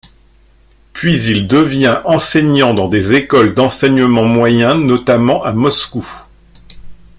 Puis il devient enseignant dans des écoles d'enseignement moyen notamment à Moscou.